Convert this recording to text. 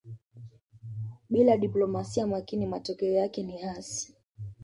Bila diplomasia makini matokeo yake ni hasi